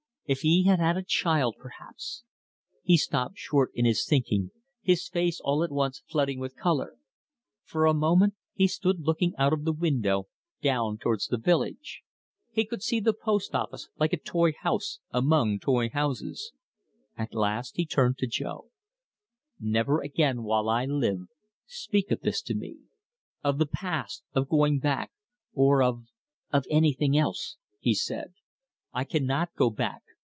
If he had had a child, perhaps He stopped short in his thinking, his face all at once flooding with colour. For a moment he stood looking out of the window down towards the village. He could see the post office like a toy house among toy houses. At last he turned to Jo. "Never again while I live, speak of this to me: of the past, of going back, or of of anything else," he said. "I cannot go back.